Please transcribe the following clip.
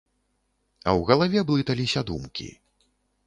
А ў галаве блыталіся думкі.